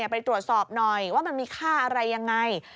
ไปตรวจสอบหน่อยว่ามันมีค่าอะไรยังไง